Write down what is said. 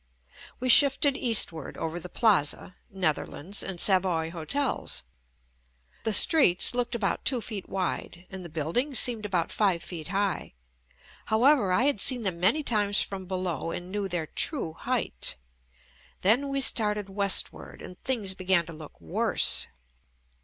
We shifted eastward over the Plaza, Netherlands and Savoy hotels. The streets looked about two feet wide and the buildings seemed about five feet high ; however I had seen them many times from below and knew their true height. Then we started west ward and things began to look worse.